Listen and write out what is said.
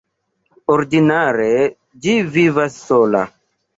Ordinare ĝi vivas sola.